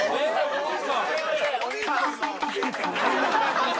お兄さん！